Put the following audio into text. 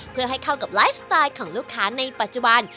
เพื่อให้เข้ากับไลฟ์สไตล์ของลูกค้าในปัจจุบัน